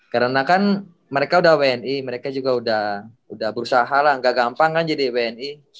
karena kan mereka udah wni mereka juga udah berusaha lah ga gampang kan jadi wni